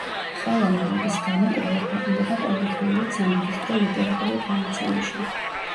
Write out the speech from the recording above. ხალა მურადის გამოკვლევა ქვეყნდება ყოველთვიურად სამაგისტრო ლიტერატურულ გამოცემაში.